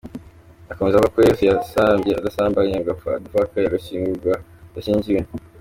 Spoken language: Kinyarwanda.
Akomeza avuga ko Yesu yasambye adasambanye, agapfa adapfakaye, agashyingurwa adashyingiwe.